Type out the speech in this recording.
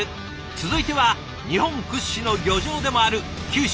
続いては日本屈指の漁場でもある九州